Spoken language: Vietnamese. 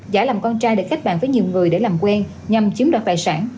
giải làm con trai để khách bàn với nhiều người để làm quen nhằm chiếm đoạt tài sản